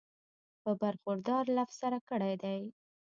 پۀ برخوردار لفظ سره کړی دی